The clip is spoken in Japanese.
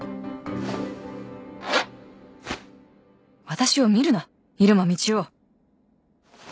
私を見るな入間みちお